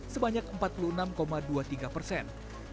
sebanyak empat puluh enam dua puluh tiga persen